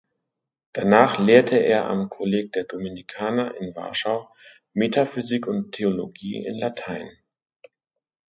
Danach lehrte er am Kolleg der Dominikaner in Warschau (Metaphysik und Theologie in Latein).